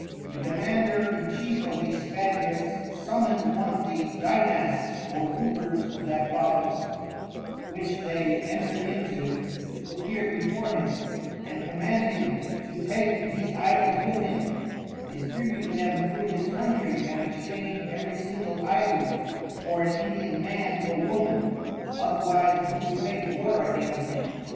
The Commander in chief of these Spaniards summoned one of the Dynasts or Rulers of that Province which they entred into, to appear before him, and command him to take these Idols with him, distribute them through his Countrey and exchange every single Idol for an Indian Man or Woman, otherwise he would make War against him.